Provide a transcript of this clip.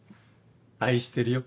愛してるよ